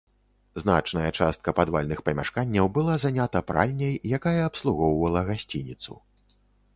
Значная частка падвальных памяшканняў была занята пральняй, якая абслугоўвала гасцініцу.